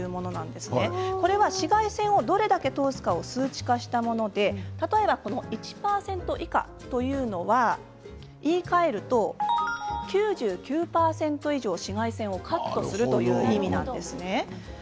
これは紫外線をどれだけ通すかを数値化したもので例えば１％以下というのは言いかえると９９％以上紫外線をカットするという意味なんですね。